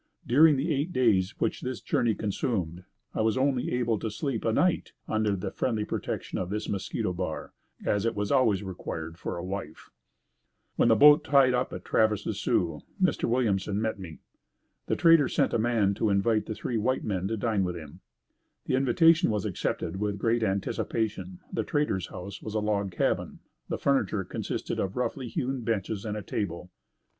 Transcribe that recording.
During the eight days which this journey consumed, I was only able once to sleep a night under the friendly protection of this mosquito bar, as it was always required for a wife. When the boat tied up at Traverse des Sioux, Mr. Williamson met me. The trader sent a man to invite the three white men to dine with him. The invitation was accepted with great anticipation. The trader's house was a log cabin. The furniture consisted of roughly hewn benches and a table.